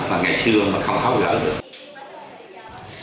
mà ngày xưa không tháo gỡ được